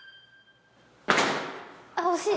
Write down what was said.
惜しい。